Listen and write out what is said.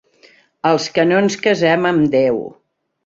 Els que no ens casem amb Déu.